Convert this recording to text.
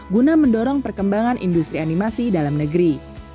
guna mendorong perkembangan industri animasi dalam negeri